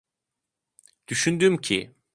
Düşündüm ki...